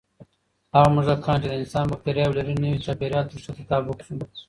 هغه موږکان چې د انسان بکتریاوې لري، نوي چاپېریال ته ښه تطابق شو.